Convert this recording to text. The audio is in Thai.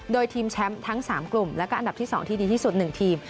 โดยทีมแชมป์ทั้ง๓กลุ่มแล้วก็อันดับที่๒ที่ดีที่สุด๑ทีม